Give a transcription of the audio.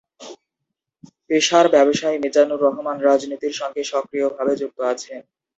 পেশার ব্যবসায়ী মিজানুর রহমান রাজনীতির সঙ্গে সক্রিয় ভাবে যুক্ত আছেন।